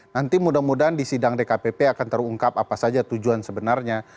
nanti mudah mudahan di sidang dkpp akan terungkap apa saja tujuan sebenarnya